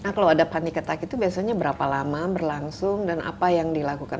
nah kalau ada panic attack itu biasanya berapa lama berlangsung dan apa yang dilakukan